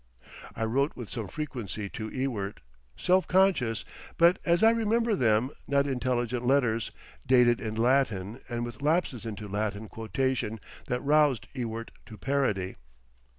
I wrote with some frequency to Ewart, self conscious, but, as I remember them, not intelligent letters, dated in Latin and with lapses into Latin quotation that roused Ewart to parody.